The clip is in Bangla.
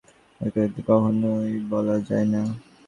একে আন্তরিক কখনোই বলা যায় না।